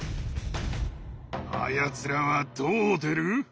あやつらはどう出る？